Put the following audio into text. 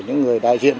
những người đại diện